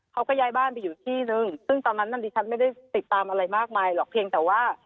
เขาก็ย้ายบ้านไปอยู่ที่นึงซึ่งตอนนั้นน่ะดิฉันไม่ได้ติดตามอะไรมากมายหรอกเพียงแต่ว่า